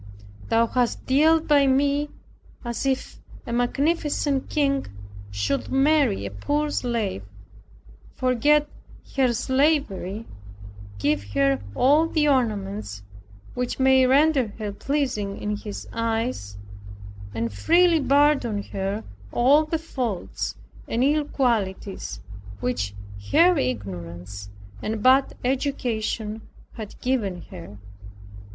Thou hast dealt by me, as if a magnificent king should marry a poor slave, forget her slavery, give her all the ornaments which may render her pleasing in his eyes, and freely pardon her all the faults and ill qualities which her ignorance and bad education had given her.